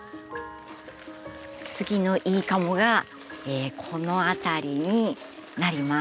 次の「いいかも！」がこの辺りになります。